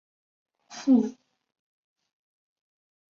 附生花楸为蔷薇科花楸属的植物。